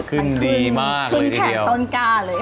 ขึ้นดีมากเลยทีเดียวขึ้นแข่งต้นกล้าเลยค่ะ